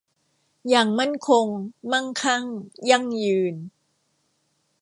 อย่างมั่นคง มั่งคั่ง ยั่งยืน